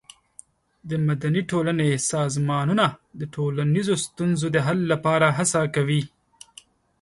د مدني ټولنې سازمانونه د ټولنیزو ستونزو د حل لپاره هڅه کوي.